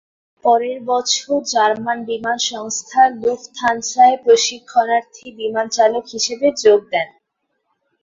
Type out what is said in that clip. পরের বছর জার্মান বিমান সংস্থা লুফথানসায় প্রশিক্ষণার্থী বিমানচালক হিসেবে যোগ দেন।